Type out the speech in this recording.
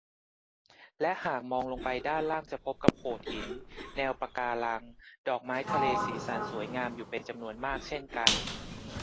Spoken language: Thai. และหากมองลงไปด้านล่างจะพบกับโขดหิน แนวปะการัง ดอกไม้ทะเลสีสันสวยงามอยู่เป็นจำนวนมากเช่นกัน